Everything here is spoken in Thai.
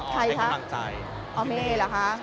ถ้าจะออกเป็นกำลังใจ